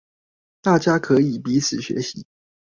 大家可以彼此學習